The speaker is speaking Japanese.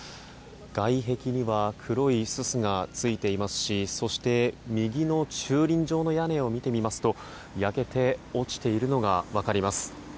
外壁には黒いすすがついていますしそして右の駐輪場の屋根を見てみますと焼けて落ちているのが分かります。